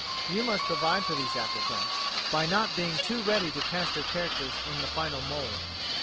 You must provide for these "afterthoughts" by not being too ready to cast your characters in the final mould.